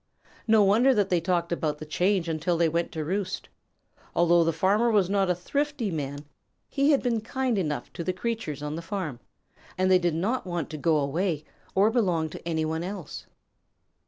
No wonder that they talked about the change until after they went to roost. Although the Farmer was not a thrifty man, he had been kind enough to the creatures on the farm, and they did not want to go away or belong to any one else.